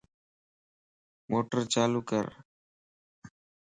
موٽر چالو ڪر